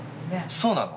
そうなの。